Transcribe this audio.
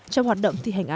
trong hoạt động thi hành án